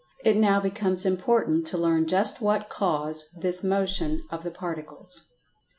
It now becomes important to learn just what cause this "Motions of the Particles."